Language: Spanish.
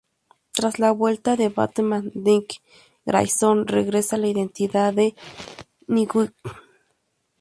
Tras la vuelta de Batman, Dick Grayson regresa a la identidad de Nightwing.